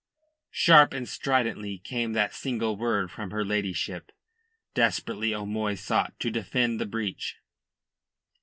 Sharp and stridently came that single word from her ladyship. Desperately O'Moy sought to defend the breach.